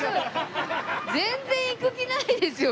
全然行く気ないですよ